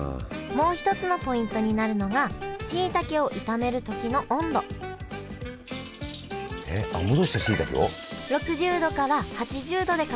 もう一つのポイントになるのがしいたけを炒める時の温度えっ戻したしいたけを？